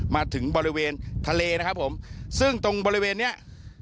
มาถึงบริเวณทะเลนะครับผมซึ่งตรงบริเวณเนี้ย